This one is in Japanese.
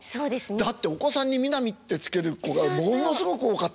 だってお子さんに南って付ける子がものすごく多かったもん。